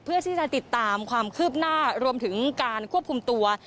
เพื่อที่จะติดตามความคืบหน้ารวมถึงการควบคุมตัว